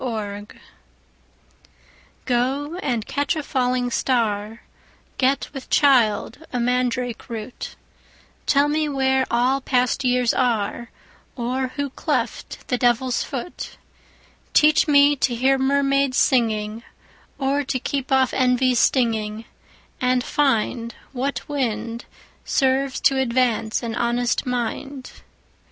Song GO and catch a falling star, Get with child a mandrake root, Tell me where all past years are, Or who cleft the Devil's foot; Teach me to hear mermaids singing, 5 Or to keep off envy's stinging, And find What wind Serves to advance an honest mind.